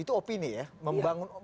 itu opini ya membangun